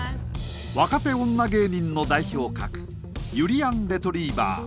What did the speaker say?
若手女芸人の代表格ゆりやんレトリィバァ。